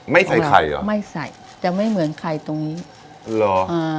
ไม่ใส่ไข่เหรอไม่ใส่จะไม่เหมือนไข่ตรงนี้เหรออ่า